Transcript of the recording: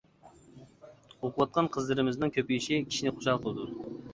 ئوقۇۋاتقان قىزلىرىمىزنىڭ كۆپىيىشى كىشىنى خۇشال قىلىدۇ.